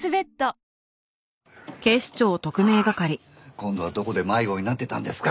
今度はどこで迷子になってたんですか？